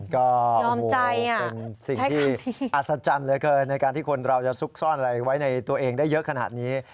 ก็เป็นสิ่งที่อัศจรรย์เหลือเกินในการที่คนเราจะซุกซ่อนอะไรไว้ในตัวเองได้เยอะขนาดนี้